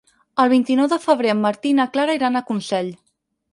El vint-i-nou de febrer en Martí i na Clara iran a Consell.